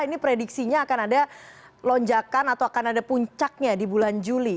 ini prediksinya akan ada lonjakan atau akan ada puncaknya di bulan juli